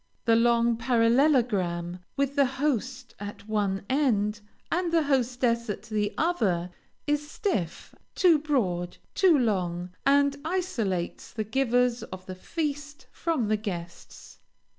The long parallelogram, with the host at one end and the hostess at the other, is stiff, too broad, too long, and isolates the givers of the feast from the guests.